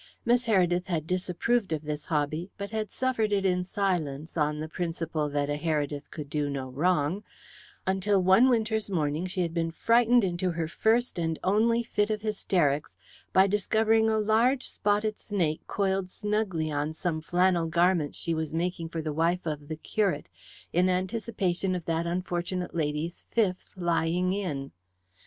Miss Heredith had disapproved of this hobby, but had suffered it in silence, on the principle that a Heredith could do no wrong, until one winter's morning she had been frightened into her first and only fit of hysterics by discovering a large spotted snake coiled snugly on some flannel garments she was making for the wife of the curate, in anticipation of that unfortunate lady's fifth lying in.